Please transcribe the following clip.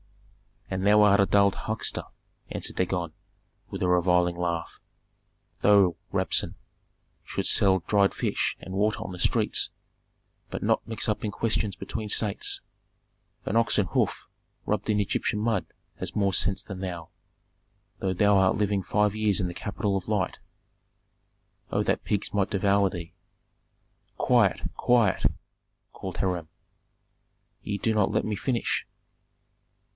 "And thou art a dull huckster," answered Dagon, with a reviling laugh. "Thou, Rabsun, shouldst sell dried fish and water on the streets, but not mix up in questions between states. An ox hoof rubbed in Egyptian mud has more sense than thou, though thou art living five years in the capital of light! Oh that pigs might devour thee!" "Quiet! quiet!" called Hiram. "Ye do not let me finish."